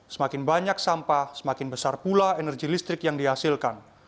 semakin banyak sampah semakin besar pula energi listrik yang dihasilkan